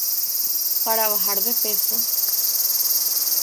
Para bajar de peso